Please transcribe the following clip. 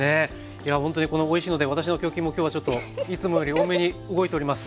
いやほんとにおいしいので私の胸筋も今日はちょっといつもより多めに動いております。